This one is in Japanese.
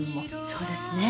そうですね。